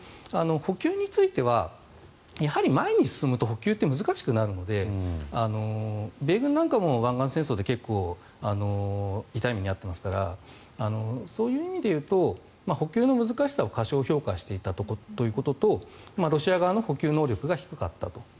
補給についてはやはり前に進むと補給って難しくなるので米軍なんかも湾岸戦争で結構、痛い目に遭っていますからそういう意味で言うと補給の難しさを過小評価していたということとロシア側の補給能力が低かったと。